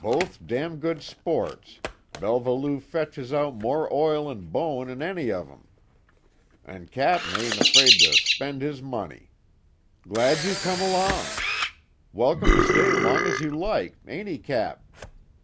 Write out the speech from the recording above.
Both damn good sports, Belva Lou fetches out more oil an' bone 'n any of 'em an' Cap ain't 'fraid to spend his money. Glad you come long. Welcome to stay long as you like ain't he Cap?"